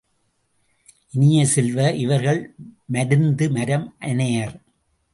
இனிய செல்வ, இவர்கள் மருந்து மரம் அனையர்.